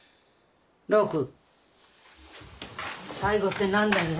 六最後って何だよ？